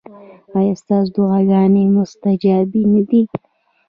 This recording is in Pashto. ایا ستاسو دعاګانې مستجابې نه دي؟